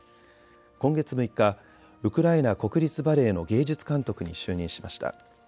今月６日、ウクライナ国立バレエの芸術監督に就任しました。